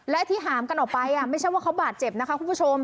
และที่หามกันออกไปไม่ใช่ว่าเขาบาดเจ็บนะคะคุณผู้ชม